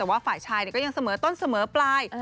แต่ว่าฝ่ายชายก็ยังเสมอต้นเสมอปลาย